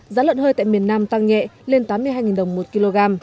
giá lợn hơi tại miền nam tăng nhẹ lên tám mươi hai đồng một kg